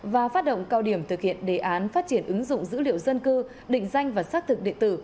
và phát động cao điểm thực hiện đề án phát triển ứng dụng dữ liệu dân cư định danh và xác thực địa tử